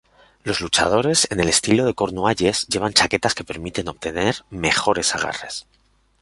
Los luchadores en el estilo de Cornualles llevan chaquetas que permiten obtener mejores agarres.